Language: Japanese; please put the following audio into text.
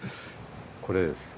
これです。